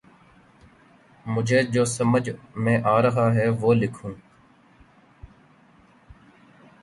مجھے جو سمجھ میں آرہا ہے وہ لکھوں